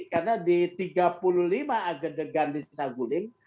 karena di tiga puluh lima agendegan di saguling